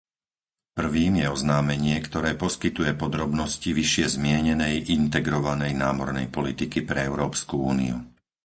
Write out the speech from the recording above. Prvým je oznámenie, ktoré poskytuje podrobnosti vyššie zmienenej integrovanej námornej politiky pre Európsku úniu.